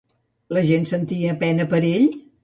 La gent sentia pena per ell?